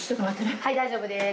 はい大丈夫です。